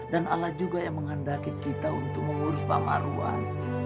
dan allah juga yang mengandalkan kita untuk mengurus pak marwan